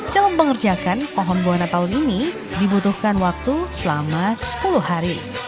jalur pengerjakan pohon goa natal ini dibutuhkan waktu selama sepuluh hari